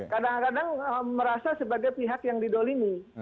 kadang kadang merasa sebagai pihak yang didolimi